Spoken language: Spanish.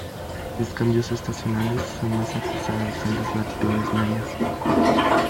Los cambios estacionales son más acusados en las latitudes medias.